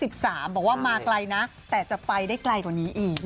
บอกว่ามาไกลนะแต่จะไปได้ไกลกว่านี้อีก